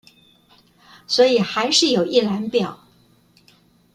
所以還是有一覽表